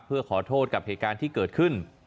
เพื่อขอโทษกับเหตุการณ์ที่เกิดขึ้น